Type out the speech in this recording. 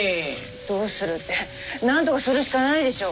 どうするってなんとかするしかないでしょう。